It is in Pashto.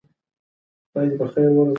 د ټولنې واقعیتونه وپلټئ.